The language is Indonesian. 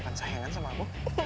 ke kelas lah